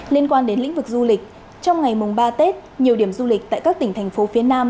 liên quan đến lĩnh vực du lịch trong ngày mùng ba tết nhiều điểm du lịch tại các tỉnh thành phố phía nam